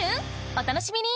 お楽しみに！